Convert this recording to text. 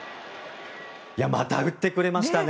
また打ってくれましたね。